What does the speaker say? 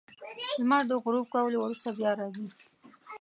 • لمر د غروب کولو وروسته بیا راځي.